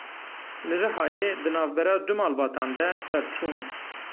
Li Rihayê di navbera du malbatan de pevçûn.